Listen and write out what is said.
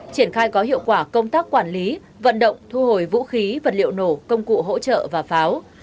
triển khai có hiệu quả công tác quản lý vận động thu hồi vũ khí vật liệu nổ công cụ hỗ trợ và pháo